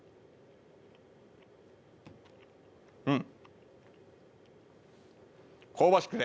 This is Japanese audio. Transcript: うん。